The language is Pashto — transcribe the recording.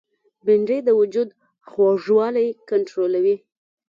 بېنډۍ د وجود خوږوالی کنټرولوي